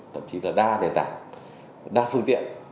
thậm chí là đa nền tảng đa phương tiện